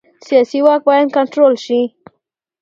سیاسي واک باید کنټرول شي